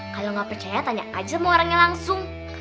kalau nggak percaya tanya aja semua orangnya langsung